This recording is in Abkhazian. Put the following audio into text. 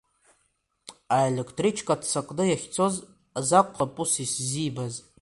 Аелектричка ццакны иахьцоз азакәхап ус изибаз.